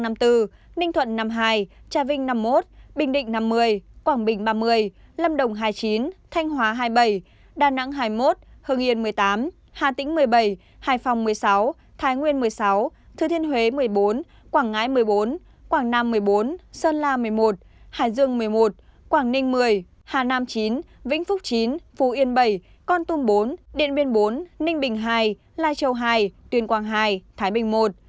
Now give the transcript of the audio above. ninh thuận năm mươi hai trà vinh năm mươi một bình định năm mươi quảng bình ba mươi lâm đồng hai mươi chín thanh hóa hai mươi bảy đà nẵng hai mươi một hương yên một mươi tám hà tĩnh một mươi bảy hải phòng một mươi sáu thái nguyên một mươi sáu thứ thiên huế một mươi bốn quảng ngãi một mươi bốn quảng nam một mươi bốn sơn la một mươi một hải dương một mươi một quảng ninh một mươi hà nam chín vĩnh phúc chín phú yên bảy con tum bốn điện biên bốn ninh bình hai lai châu hai tuyên quang hai thái bình một